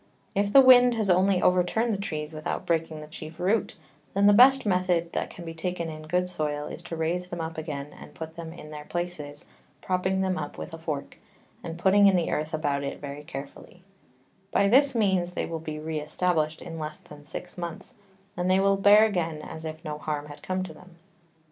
If the Wind has only overturn'd the Trees without breaking the chief Root, then the best Method that can be taken in good Soil, is to raise them up again, and put them in their Places, propping them up with a Fork, and putting in the Earth about it very carefully: By this means they will be re establish'd in less than six Months, and they will bear again as if no harm had come to them.